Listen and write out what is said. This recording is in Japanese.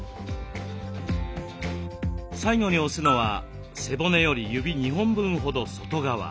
最後に押すのは背骨より指２本分ほど外側。